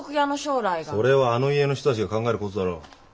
それはあの家の人たちが考えることだろ。